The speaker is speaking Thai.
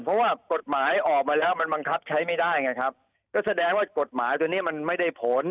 เพราะว่ากฎหมายออกมาแล้วมันบังคับใช้ไม่ได้ไงครับก็แสดงว่ากฎหมายตัวนี้มันไม่ได้ผล